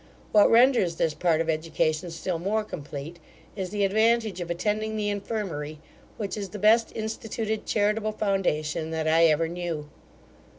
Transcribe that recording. What renders this part of education still more complete, is the advantage of attending the infirmary, which is the best instituted charitable foundation that I ever knew.